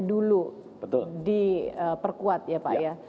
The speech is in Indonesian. dulu diperkuat ya pak ya